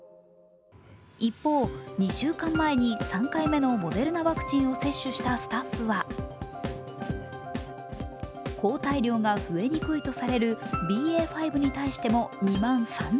一方、２週間前に３回目のモデルナワクチンを接種したスタッフは抗体量が増えにくいとされるＢＡ．５に対しても２万３０００。